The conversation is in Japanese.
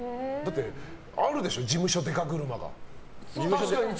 あるでしょ、事務所デカ車が。